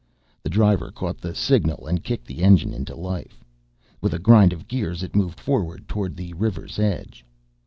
The driver caught the signal and kicked the engine into life; with a grind of gears it moved forward toward the river's edge.